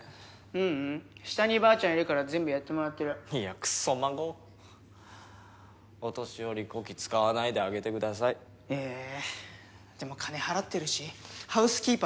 ううん下にばあちゃんいるから全部やってもらってるいやクソ孫お年寄りこき使わないであげてくださいえでも金払ってるしハウスキーパーみたいなもんだよ